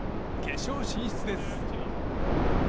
決勝進出です。